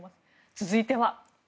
続いては。